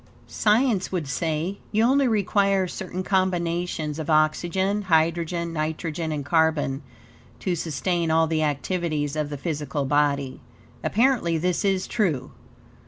Science would say, you only require certain combinations of oxygen, hydrogen, nitrogen, and carbon, to sustain all the activities of the physical body. Apparently, this is true.